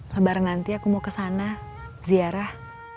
lebaran nanti aku mau kesana ziarah